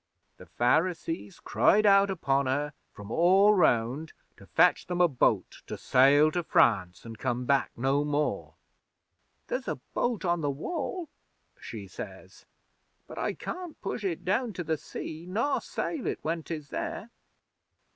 'The Pharisees cried out upon her from all round to fetch them a boat to sail to France, an' come back no more. '"There's a boat on the Wall," she says, "but I can't push it down to the sea, nor sail it when 'tis there."